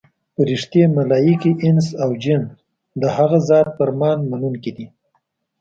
فرښتې، ملایکې، انس او جن د هغه ذات فرمان منونکي دي.